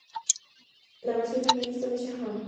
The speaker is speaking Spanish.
La versión del guion de "¡Shazam!